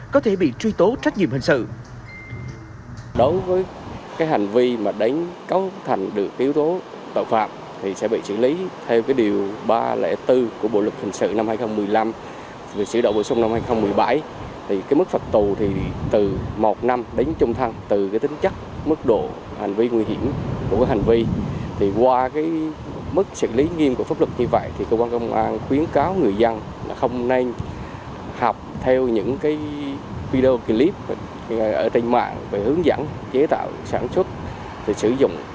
có thể bị truy tố trách nhiệm hình sự